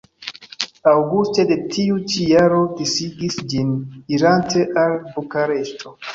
Aŭguste de tiu ĉi jaro disigis ĝin irante al Bukareŝto.